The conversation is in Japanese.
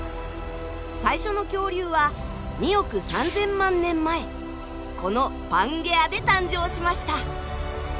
最初の恐竜は２億３，０００万年前このパンゲアで誕生しました。